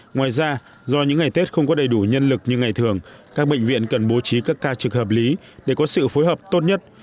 ngoài ra do những ngày tết không có đầy đủ nhân lực như ngày thường các bệnh viện cần bố trí các ca trực hợp lý để có sự phối hợp tốt nhất